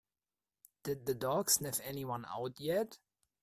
Did the dog sniff anyone out yet?